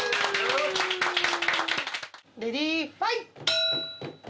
レディーファイト！